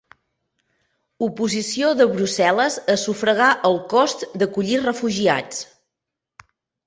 Oposició de Brussel·les a sufragar el cost d'acollir refugiats